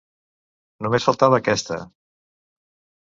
Només faltava aquesta.